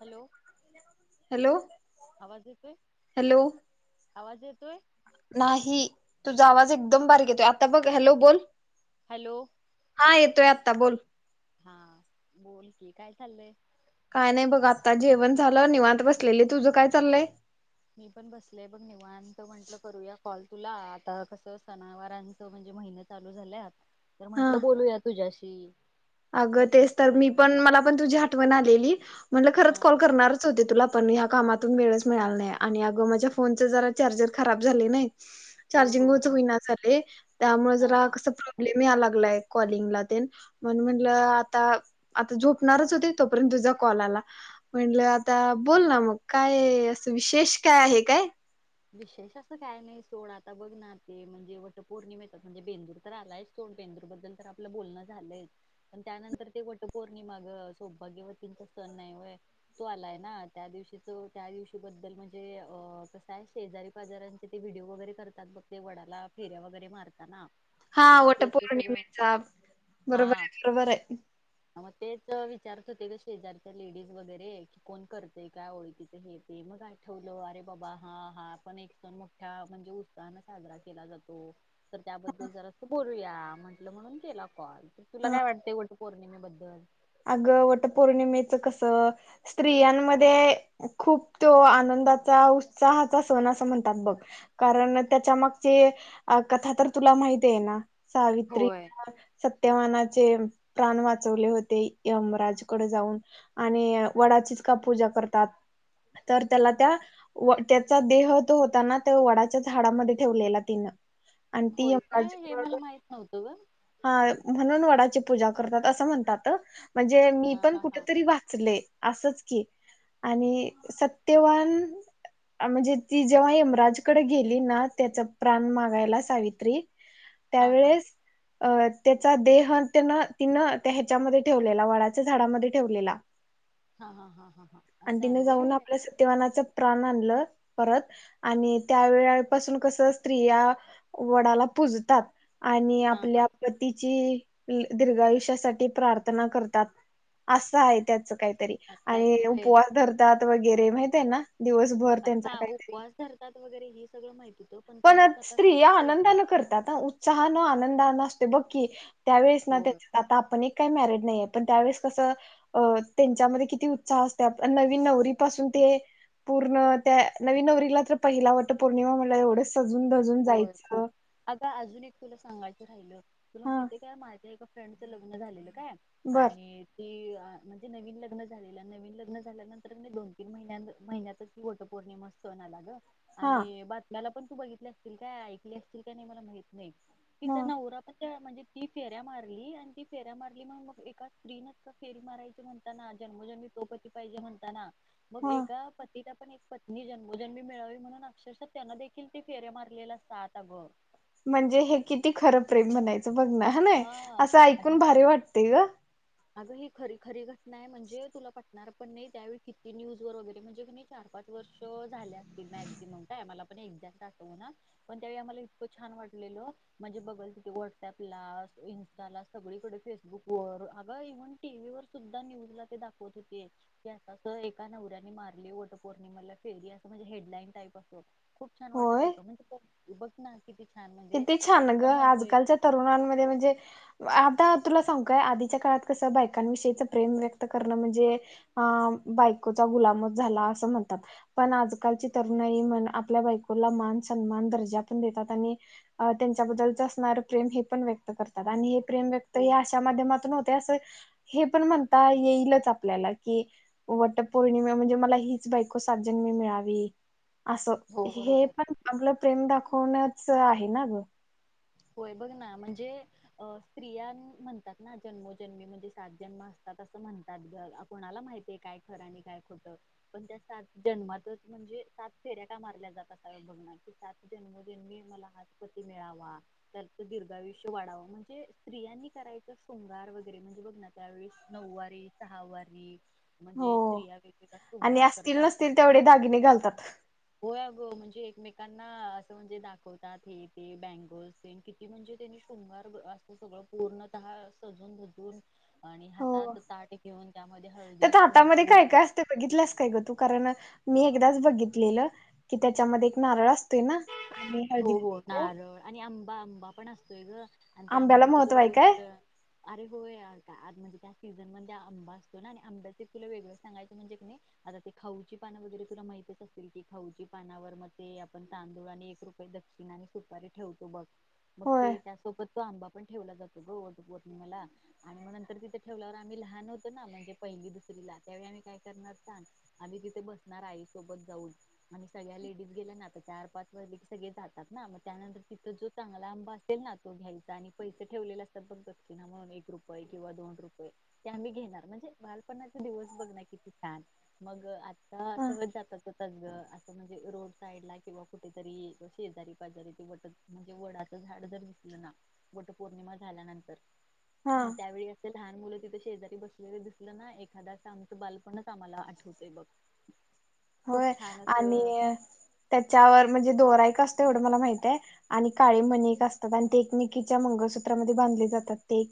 Hello hello आवाज येते. Hello आवाज येतोय. नाही तुझा आवाज एकदम बारीक येतोय आता बघ. हॅलो बोल. हॅलो. ह येतोय आता बोल. हा बोल की काय चाललंय? काय नाही बघ आता जेवण झालं निवांत बसलेली तुझं काय चाललय? मी पण बसलेय बघ निवांत म्हंटलं करूया कॉल तुला आता कसं सनावारांच म्हणजे महिन चालू झाल्यात.. तर हा म्हटलं बोलूया तुझ्याशी. ते. अगं तेच तर मी पण मला पण तुझी आठवण आलेली म्हणलं खरंच हा कॉल करणारच होते तुला. पण ह्या कामातून वेळच मिळाला नाही आणि अगं माझ्या फोनच जरा चार्जर खराब झाले ना! होय चार्जिंग होय होय होईना झालाय त्यामुळे हा जरा हा कसा प्रब्लेम यायला लागलं. कॅल्लिंग ला तेन. मण म्हटलं आता आता झोपणारच होती तोपर्यंत तुझा कॉलला म्हटलं आता बोल ना मग काय असं विशेष काय आहे काय? विशेष असं काय नाही सोड आता बघ ना ते म्हणजे वट पौर्णिमेेत म्हणजे भेंदूर तर आलाय सोड बेंदूर बद्दल तर आपलं बोलण झालंय पण त्यानंतर ते वटपौर्णिमा ग सौभाग्य वतीचा सन नाय व्हय. तो आलाय ना, त्या दिवशी तो, त्या दिवशी बद्दल म्हणजे.. काय शेजारी पाजऱ्यांचे ते व्हिडिओ वगैरे करतात बग ते वडाला फेऱ्या वगैरे मारतात ना. हा वट पौर्णिमेचा बरोबर हा आहे बरोबर आहे. मग तेच विचारत होते ग शेजारच्या लेडीज वगैरे की कोण करते काय ओळखीच हे ते मग आठवलं अरे बाबा हा हा पण एक सण मोठ्या म्हणजे उत्साहने साजरा केला जातो. तर त्याबद्दल जरा त बोलूया. म्हंटलं म्हणून केला कॉल. तुला काय वाटतंय [unintelligible] पौर्णिमे बद्दल. अग वटपौर्णिमेच कसं स्त्रियांमध्ये खूप तो आनंदाचा उत्साहाचा सण असं म्हणतात बघ कारण त्याच्या मागची कथा तर तुला माहती आहे ना. सावित्री. होय तेवानाचे प्राण वाचवले होते. यमराज कडे जाऊन आणि वडाचीच का पूजा करतात तर त्याला त्या त्याचा देह तो होता ना त्या वडाच्या झाडामध्ये ठेवलेला तिनं. आणि ती होय काय हे यमराज मला माहित नव्हतं ग! हा म्हणून वडाची पूजा करतात असं म्हणतात. म्हणजे मी हा पण हा हा कुठेतरी वाचलेय. असंच की आणि... हा सत्यवान.. म्हणजे ती जेव्हा यमराज कडे गेली ना त्याचा प्राण मागायला सावित्री हा हा त्यावेळेस, अ त्याचा देह त्यानं तिनं त्या ह्याच्यामध्ये ठेवलेला वडाच्या झाडामध्ये ठेवलेला हा हा हा हा हा आणि असं आहे तिने जाऊन होय आपल्या सत्यवानाचा प्राण [inaudible] हा हा आपल्या पतीची, दीर्घा आयुष्यासाठी प्रार्थना करतात. असं आहे त्याचं असं आहे काही, उपवास धरतात वैर ते माहित आहे ना? दिवसभर त्यांचा अच्छा काहीतरी उपवास धरतात वगैरे ह सगळं माहिती आहे पण स्त्रिया आनंदान करतात उत्साहान आनंदा ना असते बकी त्यावेळेस ना होय त्याच्या आता आपण काय मॅरेट नाही पण त्यावेळेस कस अ त्यांच्यामध्ये किती उत्साह असत नवीन नवरी पासून ते पूर्ण त्या नवी नवरीला तर पहिला वट पौर्णिमा म्हला एवढंच हो खूप अगं, अजून एक तुला सांगाय राहिलं.. तुला हा माहितीय काय माझ्या? फ्रडचं लग्न झालेलं. काय बर आणि ती म्हणजे नवीन लग्न झालेलं नवीन लग्न झाल्यानंतर म्हणजे दोन तीन महिन्या महिन्यातच वटपौर्णिमा सण आला ग हा आणि बातम्याला [unintelligible] असतील काय ऐकले असतील का नाही मला माहित नाही कि हा त्यांना म्हणजे ती फेऱ्या मारली आणि ती फेऱ्या मारली. मग मग एका स्त्रीनच का फेरी मारायची म्हणताना? जन्मोजन्मी तोपती पाहिजे म्हणताना. मगं हा एका पतीला पण एक पत्नी जन्मोजन्मी मिळावी म्हणून अक्षरशः त्यांन देखील ते फेऱ्या मार लेला सात अगं. म्हणजे हे किती खरं प्रेम म्हणायच? बघ ना हा नाय? असं आणि मग ऐकून भारी वाटतय ग. अगं हे खरी खरी घटना नाही म्हणजे तुला पटणार पण नई त्या वेळ किती न्यूज वर वैगेरे म्हणजे किणी चार पाच वर्षे झाले असतील मॅक्सिमम. काय इग्झॅक्ट आठवना पण त्या वेळी आम्हाला इतक छान वाटलेले. माझ बगल च्या त्या व्हॉटअप ला इन्स्टॉला फेसबुक वर इव्हन टीव्ही वर सुद्धा न्यूज ला ते दाखवत होते. की आता एका नवऱ्याने मारली वट पौर्णिमेला फेरी. असं म्हणजे हेडलाईन टाईप असत. खूप छान वाटत होय होतं. माहितीये का? तू बघ ना. किती छान म्हणजे किती छान ग. आपण म्हणतोय आजकालच्या तरुणांमध्ये म्हणजे आप आता तुला सांगू का? आधीच्या काळात कसं बायकांविषयीच प्रेम व्यक्त करणं म्हणजे. अ बायकोचा गुलाम झाला असं म्हणतात. पण आजकालची तरुणाई म्हणजे आपल्या बायकोला मान सन्मान दर्जा पण देतात. आणि अ त्यांच्याबद्दलच असणार प्रेम हे पण व्यक्त करतात. आणि हे प्रेम व्यक्त हो हे अशा माध्यमात ते अस हे पण म्हणता येईलच आपल्याला. की वटपौर्णिमा म्हणजे मला हीच बायको सात जन्म मिळावी. असं. हो हे बरोबर पण आपलं प्रेम दाखवणच आहे. ना ग? होय बघ ना? म्हणजे अ.. स्त्रियांन म्हणतात ना. जन्मजन्मी मध्ये सात जन्म असतात. असं म्हणतात कोणाला माहितीये काय खर आणि काय खोट? पण त्या सात जन्मतःच म्हणजे सात फेऱ्या का मारल्या जातात? अस बघना की सात जन्मोजन्मी मला हाच पती मिळावा? त्याच दीर्घायुष्य वाढावं. म्हणजे स्त्रियांनी करायचं शृंगार वगैरे म्हणजे बघ ना? त्यावेळी नऊवारी सहावारी हो म्हणजे स्त्रिया वेगवेगळा आणि शृंगार असतील करतात. नसतील तेवढे दागिने घालतात हो म्हणजे एकमेकांना असं म्हणजे दाखवतात हे ते बँगल्स किती म्हणजे त्यांनी? शृंगार अस सगळं पूर्णतः सजून धजून. आणि हो. हातात ताट घेऊन त्यामध्ये हळदी त्याच हाता मध्ये कुंकू काय काय असत? बघितलस काय ग तू? कारण मी अ एकदाच बघितलेलं. की त्याच्यामध्ये.. एक नारळ असतय ना? आणि हळदी हो हो कुंकू नारळ आणि आंबा पण असतोय ग. आणि त्या आंब्याला आंब्याची महत्त्व तुला आहे काय गोष्ट-' अरे होय आज म्हणजे त्या सीझन मध्ये आंबा असतो ना आणि आंब्याच तुला वेगळं सांगायचं म्हणजे कणी आता ते खाऊची पान वगैरे तुला माहितच असतील की. खाऊची पानावर मग ते आपण तांदूळ आणि एक रूप दक्षिणा आणि सुपारी ठेवतो बघ? मग होय ते त्यासोबत तो आंबा पण ठेवला जातो ग वटपौर्णिमेला. आणि म नंतर तिथे ठेवल्यावर आम्ही लहान होतो ना. म्हणजे पहिली दुसरीला त्यावेळी आम्ही काय करणार सांग? आधी तिथे बसणार. आई सोबत जाऊन आणि सगळ्या लेडीज गेल्या ना. आता चार पाच वाज सगळे जातात ना म. त्यानंतर तिथं जो चांगला आंबा असेल ना. तो घ्यायचा आणि पैसे ठेवले असत. बघकी म्हणून एक रुपये किंवा दोन रुपये ते आम्ही घेणार. म्हणजे बालपणाचा दिवस बघ ना किती छान मग आत ह.. सगळे जातातच. सगळं असं म्हणजे रोड साईड ला किंवा कुठेतरी शेजारी पाजारी ते वट म्हणजे वडाचं झाड जर दिसलं ना वट पौर्णिमा झाल्यानंतर. हा मग त्यावेळी असेल लहान मुलं तिथं शेजारी बसलेले दिसलं ना एखादा असं आमचं बालपणच आम्हाला आठवते बघ- खूप होय छान असं आणि त्याच्यावर म्हणजे दोरा- असत एवढं मला माहितय आणि काळे मणी एक असतात आणि ते एकमेकीच्या मंगळसूत्रामध्ये बांधले जातात ते.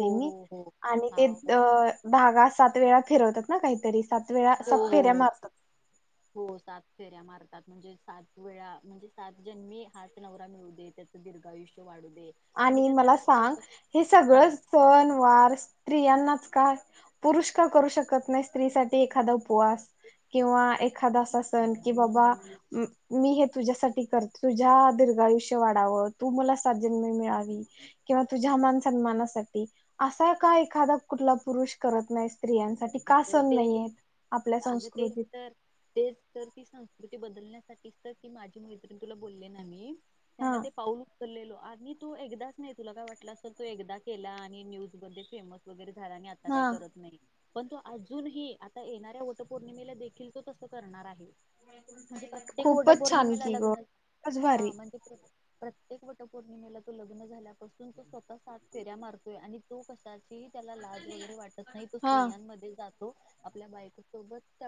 हो हो हो हा हो [unintelligible] धागा- सात वेळा फिरवतात ना काहीतरी- सात वेळा हो सात फेऱ्या हो मास मारतात. हो सात फेऱ्या मारतात म्हणजे सात वेळा म्हणजे सात जन्मी हाच नवरा मिळू दे त्याचं दीर्घायुष्य वाढूदे आणि मला सांग हे सगळं हा सण वार स्त्रियांनाच का? पुरुष का करू शकत नाही स्त्रीसाठी एखादा उपवास किंवा एखादा असा सण कि बाबा मी हे तुझ्यासाठी कर तुझ्या दीर्घयुष्य वाढाव तू मला साथ- किवा तुझ्या मानसन्मासाठी असा एखादा कुठला पुरुष करत नाही स्त्रियांसाठी. का आता सण ते नाहीयेत आपल्या अग तेच संस्कृतीत तर तेच तर ती संस्कृती- बदलण्यासाठीच तर ती माझी मैत्रिण तुला बोलली ना मी. हा त्यांना ते पाऊल उचललेलो आणि तो एकदाच नाही तुला काय वाटलं सल तो एकदा केला आणि न्यूज मध्ये फेमस वगैरे- झाल्याने आता हा काही करत नाही. [unintelligible] अजूनही आता येणाऱ्या वटपौर्णिमेला देखील तो तसं करणार आहे. म्हणजे प्रत्येक खूपच छान वटपौर्णिमेला की ग लग्न खूपच हा भारी म्हणजे प्रत्येक- वट पौर्णिमेला तो लग्न झाल्यापासून तो स्वतः सात फेऱ्या मारतोय आणि तो क- त्याला लाज वगैरे वाटत नाही तो हा स्त्रियांमध्ये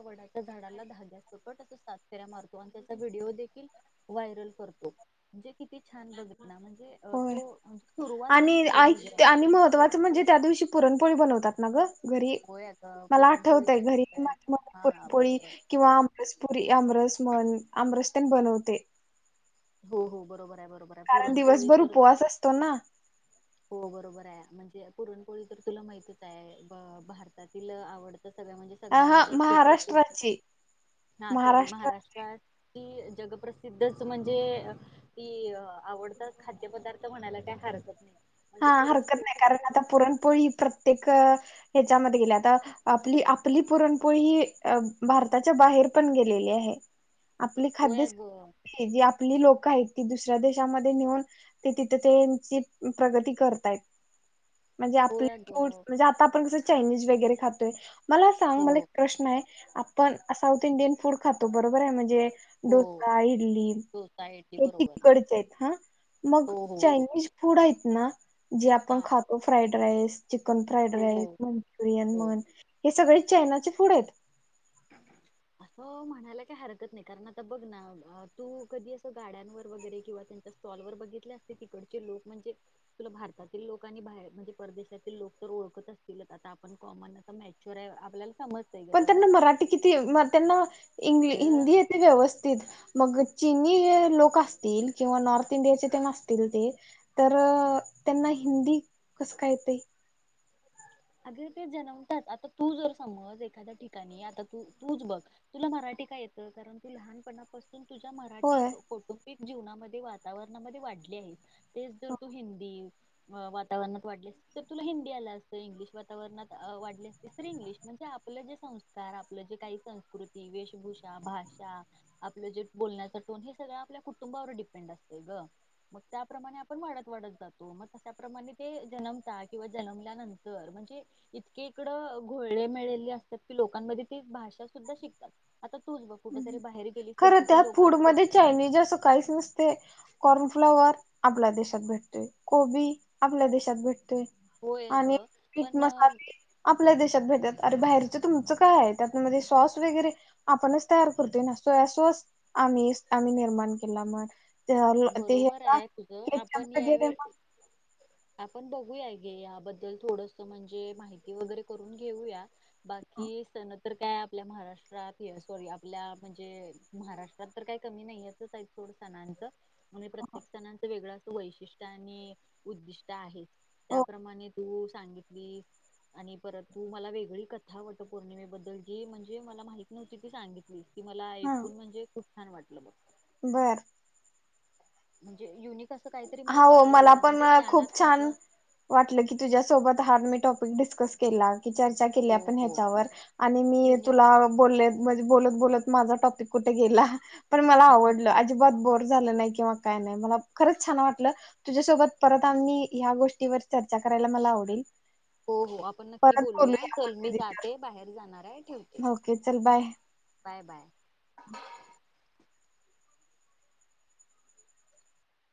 वडाच्या झाडाला सात फेऱ्या मारतो आणि त्याचा व्हिडओ देखील व्हायरल करतो. किती छान बघल ना म्हणजे होय तो सुरुवात त्यांनी आणि केली ग. पोळी बनवतात ना ग. घरी होय अगं मला पुरणपोळी आठवतय तर घरी माझी म सगळ्यांना हा पुरणपोळी बरोबर किंवा आमरसपुरी आमरस म्हण आमरस- बनवते हो हो बरोबर आहे बरोबर आहे कारण पुरणपोळी दिवसभर तर उपवास असतो ना. हो बरोबर आहे म्हणजे पुरणपोळी तर तुला माहतीच आहे भारतातील आवडत- सगळ म्हणजे अ हा सगळ्यांच सुप्रसिद्ध महाराष्ट्राची हा सॉरी महाराष्ट्र महाराष्ट्रात. ती जगप्रसिद्धच म्हणजे ती आवडता खाद्यपदार्थ म्हणायला काय हरकत नाही. हा म्हणजे हरकत पुरणपोळी नाही खूप कारण आता फेमस आहे पुरणपोळी प्रत्येक- ह्याच्यामध्ये गेले आता आपली -आपली पुरणपोळी ही भारताच्या बाहेर पण गेलेली आहे. आपली होय अग खाद्यसंस्कृती आहे जी आपलं ही लोक आहेत की दुसऱ्या देशामध्ये नेऊन ते तिथ ते प्रगती करतायत म्हणजे आपले होय अग फूड म्हणजे आता आपण कस चायनिज वगैरे खातोय मला सांग हो मला एक प्रश्न आहे आपण साऊथ इंडियन फूड खातो बरोबर आहे. म्हणजे हो डोसा, इडली सोसायटी हे बरोबर तकडचे आहेत हा मग हो हो हो चायनीज फूड आहेत. ना. जे आपण हा खातो फ्राईड रईस चिकन, फ्राईड हो हो राईस, मंचुरियन हो म्हण हे सगळी चायना चे फूड आहेत. असं म्हणायला काही हरकत नाही कारण आता बघ ना तू कधी असं गाड्यांवर वगैरे किंवा त्यांच्या स्टॉलवर बघितले असतील तिकडचे लोक म्हणजे तुला भारतातील लोक आणि बाहेर म्हणजे परदेशातील लोक तर ओळखत असतीलच आता आपण कॉमन आता मॅच्युर आहे आपल्याला समजतंय की तेवढं ते किती मग त्यांना इंग्लि जर हिंदी येतंय व्यवस्थित मग चीनी हे लोक असतील किंवा नॉर्थ इंडियाचे तेन असतील ते तर त्यांना हिंदी कस काय येतंय अग ते जन्मतात आता तू जर समज एखाद्या ठिकाणी आता तू तूच बघ तुला मराठी काय येतं कारण तू लहानपणा पासून तू तूझ्या मराठी होय कौटुंबिक जीवनामध्ये वातावरणामध्ये वाढले आहे तेच जर तू हिंदी वातावरणात वाढलीस तर तुला हिंदी आल असत. तू जर इंग्लिश वातावरणात अ वाढली असतीस तर इंग्लिश म्हणजे आपलं जे संस्कार आपलं जे काही संस्कृती, वेशभूषा, भाषा आपलं जे बोलण्याचा टोन हे सगळं आपल्या कुटुंबावर डिपेंड असतय ग मग त्याप्रमाणे आपण वाढत वाढत जातो मग तशा प्रमाणे ते जन्मतात किंवा जन्मल्यानंतर तर म्हणजे इतके इकडं घोळेमिळेले असतात की लोकांमध्ये ती भाषा सुद्धा शिकतात आता तूच बघ कुठेतरी बाहेर गेलीस तर खरं तिथील त्या फूड लोकांच मधे चायनीज असं काहीच नसतंय कॉर्नफ्लाॉवर आपल्या देशात भेटतोय कोबी आपल्या देशात भेटतोय होय भेटतय आणि अगं मीठ पण मसाले आपल्या देशात भेटात आरे बाहेरचं तुमचं काय आहे त्यात म्हणजे सॉस वगैरे आपणच तयार करतोय ना सोया सॉस आम्ही. आम्ही निर्माण केला म्हण ते हा. ते बरोबर यांच्यात आहे तुझं आपण ठेच्यात वगैरे यावे मग आपण बघूया घे या बद्दल थोडस म्हणजे माहिती वगैरे करून घेऊया बाकी सन तर काय आपल्या महाराष्ट्रात हे सॉरी आपल्या म्हणजे महाराष्ट्रात तर काय कमी नहीयच आहेत सोड सणांचं आणि प्रत्येक सणांचं वेगळ असतय वैशिष्ट्य आणि उद्दिष्ट आहे त्या हो प्रमाणे तू सांगितलीस आणि परत तू मला वेगळी कथा वट पौर्णिमेबद्दल जी म्हणजे मला माहित नव्हती ती सांगितलीस मला हा ऐकून म्हणजे खूप छान वाटलं बघ. बर. म्हणजे युनिक असं काहीतरी मला हा हो कळालं मला ग पण म्हणजे ज्ञानात खूप छान माझ्या वाटलं की तुझ्यासोबत हा मी टॉप डिस्कस केला. चरच्या केली हो आपण हो ह्याच्यावर, आणि मी युनिक तुला बोले म्हणजे बोलत बोलत माझा टॉपिक कुठ गेला पण मला आवडलं. अजिबात बोर झालं नाही किंवा काय नाय मला खरंच छान वाटलं, तुझ्यासोबत परत आम्ही या गोष्टीवर चर्चा करायला मला आवडेल. हो हो आपण नक्की परत बोलूया, आपण चल मी कधी जाते बाहेर जाणारे ठेवते. ओके चल बाय. Bye bye.